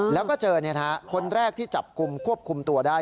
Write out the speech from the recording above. แล้วก็เจอคนแรกที่จับกลุ่มควบคุมตัวได้